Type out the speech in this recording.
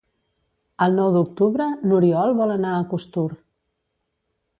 El nou d'octubre n'Oriol vol anar a Costur.